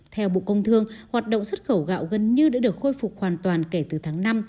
theo bộ công thương hoạt động xuất khẩu gạo gần như đã được khôi phục hoàn toàn kể từ tháng năm